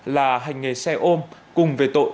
là hành nghề xe ôm cùng về tội